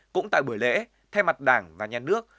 cũng tại buổi lễ thay mặt đảng và nhà nước